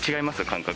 感覚。